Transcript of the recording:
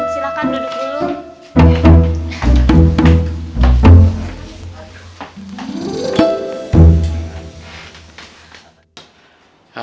silakan duduk dulu